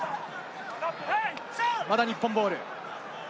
まだ日本ボール。